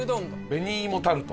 紅芋タルト。